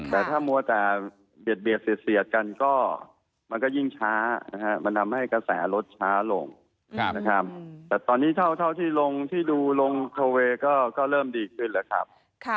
แต่ถ้ามัวแต่เบียดเสียดกันก็มันก็ยิ่งช้ามันทำให้กระแสรถช้าลงนะครับแต่ตอนนี้เท่าที่ลงที่ดูลงทอเวย์ก็เริ่มดีขึ้นแล้วครับ